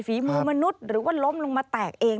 ฝีมือมนุษย์หรือว่าล้มลงมาแตกเอง